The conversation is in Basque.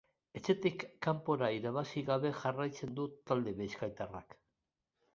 Etxetik kanpora irabazi gabe jarraitzen du talde bizkaitarrak.